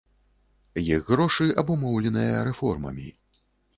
Іх грошы абумоўленыя рэформамі.